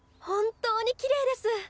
本当にきれいです！